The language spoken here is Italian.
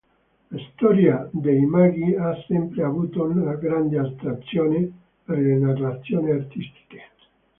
La storia dei Magi ha sempre avuto una grande attrazione per le narrazioni artistiche.